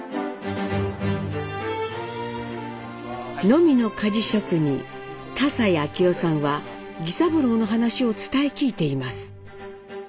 ノミの鍛冶職人田齋明夫さんは儀三郎の話を伝え聞いています。